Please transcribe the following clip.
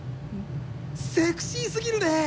セクシー過ぎるね。